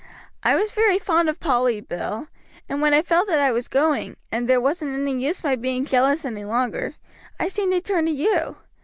I was very fond of Polly, Bill, and when I felt that I was going, and there wasn't any use my being jealous any longer, I seemed to turn to you.